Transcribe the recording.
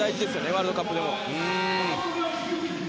ワールドカップでも。